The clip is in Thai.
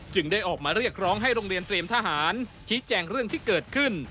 ได้ออกมาเรียกร้องให้โรงเรียนเตรียมทหารชี้แจงเรื่องที่เกิดขึ้น